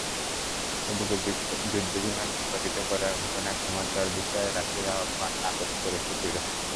এদিকে যুদ্ধবিমান ভূপাতিত করার ঘটনায় ক্ষমা চাওয়ার বিষয়ে রাশিয়ার আহ্বান নাকচ করেছে তুরস্ক।